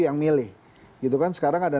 yang milih sekarang ada